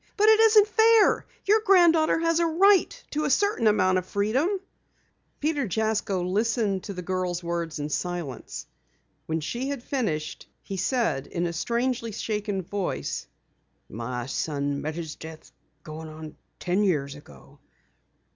But it isn't fair. Your granddaughter has a right to a certain amount of freedom." Peter Jasko listened to the girl's words in silence. When she had finished he said in a strangely shaken voice: "My son met his death going on ten years ago.